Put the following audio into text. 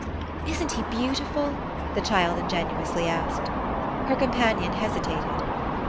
"Isn't he beautiful?" the child ingenuously asked. Her companion hesitated.